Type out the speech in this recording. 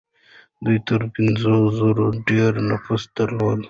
دوی تر پنځو زرو ډېر نفوس درلود.